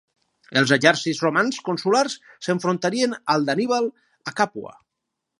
Els exèrcits romans consulars s'enfrontarien al d'Anníbal a Càpua.